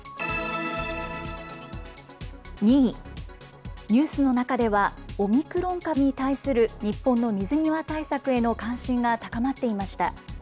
２位、ニュースの中ではオミクロン株に対する日本の水際対策への関心が高まっていました。